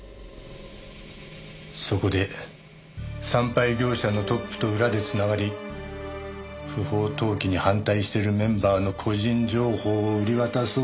そこで産廃業者のトップと裏で繋がり不法投棄に反対してるメンバーの個人情報を売り渡そうとした。